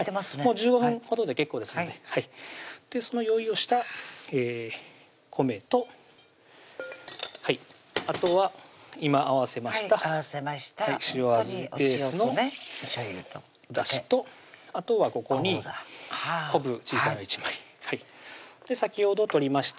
１５分ほどで結構ですのでその用意をした米とあとは今合わせました塩味ベースのだしとあとはここに昆布小さいの１枚先ほど取りました